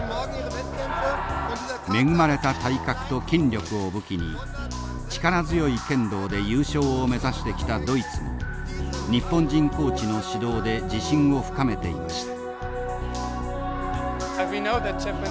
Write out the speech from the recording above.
恵まれた体格と筋力を武器に力強い剣道で優勝を目指してきたドイツも日本人コーチの指導で自信を深めていました。